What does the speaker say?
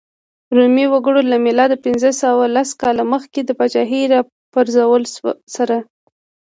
رومي وګړو له میلاد پنځه سوه لس کاله مخکې پاچاهۍ راپرځولو سره.